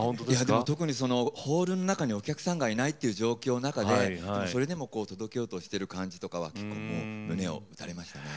特にホールの中にお客さんがいないっていう状況の中でそれでも届けようとしてる感じとかは結構もう胸を打たれましたね。